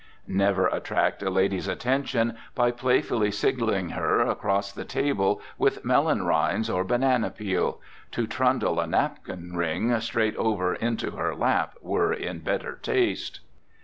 Never attract a lady's attention by playfully signaling her across the table with melon rinds or banana peel. To trundle a napkin ring straight over into her lap were in better taste.